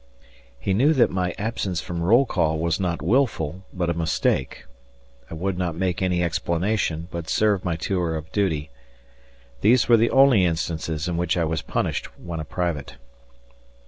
He knew that my absence from roll call was not wilful but a mistake. I would not make any explanation but served my tour of duty. These were the only instances in which I was punished when a private.